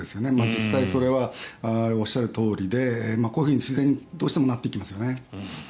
実際それはおっしゃるとおりでこういうふうに自然にどうしてもなっていきますよね。